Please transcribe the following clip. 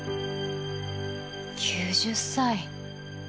９０歳。